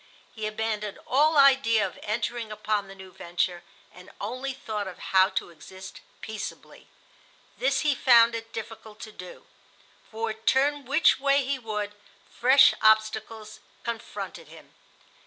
He abandoned all idea of entering upon the new venture, and only thought of how to exist peaceably. This he found it difficult to do, for, turn which way he would, fresh obstacles confronted him.